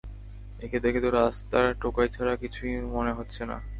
একে দেখে তো রাস্তার টোকাই ছাড়া কিছু মনে হচ্ছে না!